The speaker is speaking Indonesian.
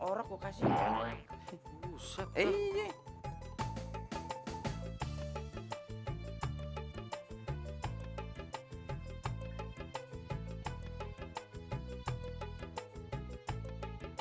orang lo kasih cemburu